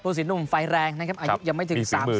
สีหนุ่มไฟแรงนะครับอายุยังไม่ถึง๓๐